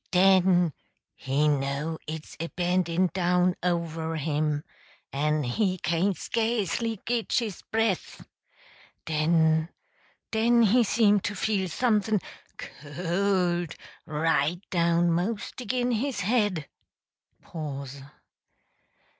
Den he know it's a bendin' down over him en he cain't skasely git his breath! Den den he seem to feel someth' n c o l d, right down 'most agin his head!